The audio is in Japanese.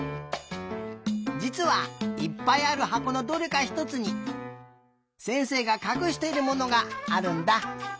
じつはいっぱいあるはこのどれかひとつにせんせいがかくしているものがあるんだ。